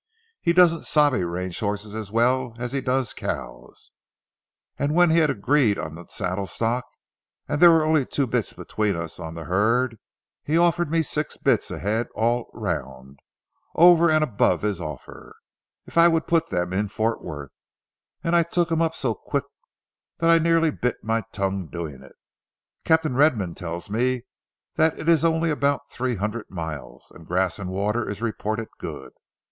He don't sabe range horses as well as he does cows, and when we had agreed on the saddle stock, and there were only two bits between us on the herd, he offered me six bits a head all round, over and above his offer, if I would put them in Fort Worth, and I took him up so quick that I nearly bit my tongue doing it. Captain Redman tells me that it's only about three hundred miles, and grass and water is reported good.